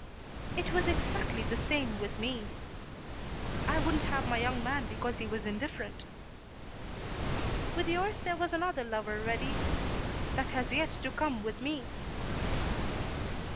"It was exactly the same with me." "I wouldn't have my young man because he was indifferent." "With yours there was another lover ready. That has yet to come with me."